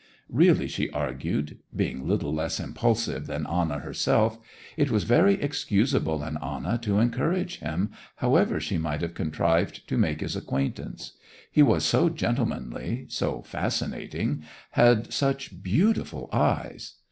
Really she argued (being little less impulsive than Anna herself) it was very excusable in Anna to encourage him, however she might have contrived to make his acquaintance; he was so gentlemanly, so fascinating, had such beautiful eyes.